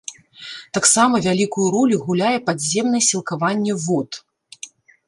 Таксама вялікую ролю гуляе падземнае сілкаванне вод.